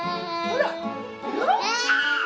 ほら！